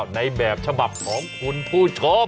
ในแบบฉบับของคุณผู้ชม